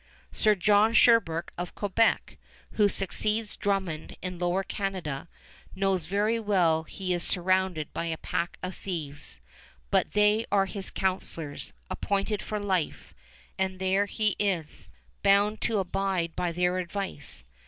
Sir John Sherbrooke of Quebec, who succeeds Drummond in Lower Canada, knows very well he is surrounded by a pack of thieves; but they are his councilors, appointed for life, and there he is, bound to abide by their advice.